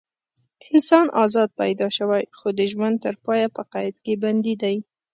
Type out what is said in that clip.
انسان ازاد پیدا شوی خو د ژوند تر پایه په قید کې بندي دی.